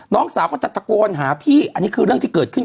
น้องสาวก็ตะตะโกนหาพี่